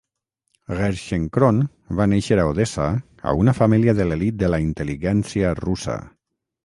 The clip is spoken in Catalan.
Gerschenkron va néixer a Odessa a una família de l'elit de la intel·liguèntsia russa.